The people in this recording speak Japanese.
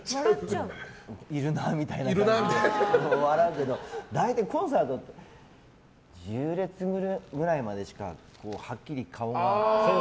いるなみたいな笑うけど大体コンサートって１０列目ぐらいまでしかはっきり顔は。